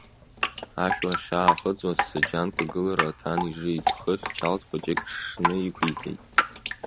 Ашә уахьаахыҵуаз саџьанк агылара аҭан ижит, хыхь чалт хәыҷык шшны иқәиҵеит.